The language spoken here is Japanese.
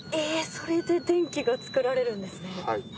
それで電気がつくられるんですね。